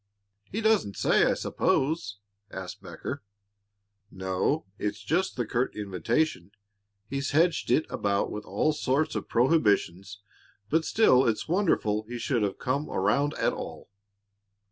"He doesn't say, I suppose?" asked Becker. "No; it's just the curt invitation. He's hedged it about with all sorts of prohibitions, but still it's wonderful he should have come around at all."